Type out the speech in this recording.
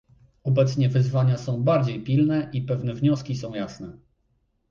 Obecnie wyzwania są bardziej pilne i pewne wnioski są jasne